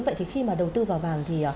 vậy thì khi mà đầu tư vào vàng thì